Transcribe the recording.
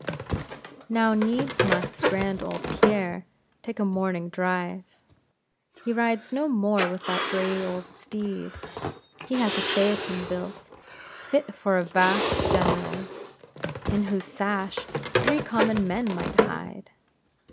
Now needs must grand old Pierre take a morning drive; he rides no more with the old gray steed. He has a phaeton built, fit for a vast General, in whose sash three common men might hide.